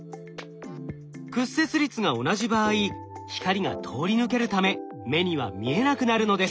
屈折率が同じ場合光が通り抜けるため目には見えなくなるのです。